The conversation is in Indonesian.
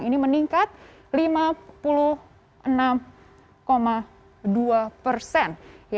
ini meningkat lima puluh enam dua persen